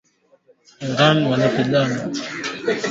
Iran imeamua kusitisha mazungumzo yake ya siri